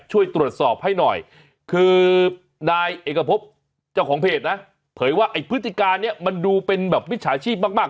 ช่วยตรวจสอบให้หน่อยคือนายเอกพบเจ้าของเพจนะเผยว่าไอ้พฤติการนี้มันดูเป็นแบบมิจฉาชีพมาก